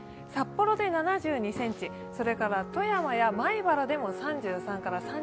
札幌で７２ｃｍ、それから富山や米原でも３３３４ｃｍ。